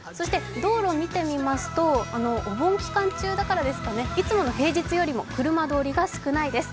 道路を見てみますとお盆期間中だからですかね、いつもの平日よりも車通りが少ないです。